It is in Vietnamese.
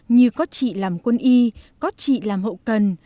như có chị làm quân y có chị làm hậu cần